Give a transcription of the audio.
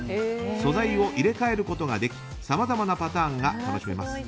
素材を入れ替えることができさまざまなパターンが楽しめます。